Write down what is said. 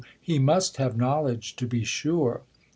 he must have knowledge to be sure.